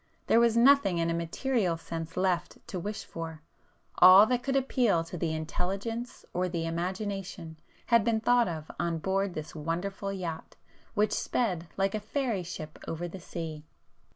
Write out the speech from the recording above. There was nothing in a material sense left to wish for,—all that could appeal to the intelligence or the imagination had been thought of on board this wonderful yacht which sped like a fairy ship over the sea.